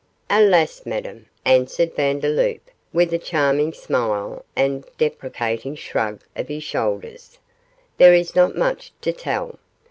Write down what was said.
'Alas, Madame,' answered Vandeloup, with a charming smile and deprecating shrug of his shoulders, 'there is not much to tell.